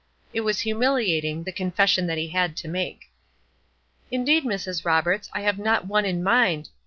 It was humiliating, the confession that he had to make: "Indeed, Mrs. Roberts, I have not one in mind.